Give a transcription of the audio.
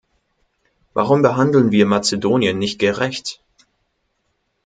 Warum behandeln wir Mazedonien nicht gerecht?